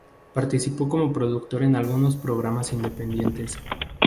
Participó como productora en algunos programas independientes.